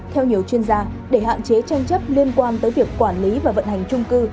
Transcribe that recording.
theo nhiều chuyên gia để hạn chế tranh chấp liên quan tới việc quản lý và vận hành trung cư